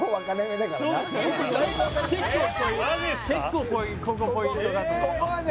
結構ここポイントだと思うここはね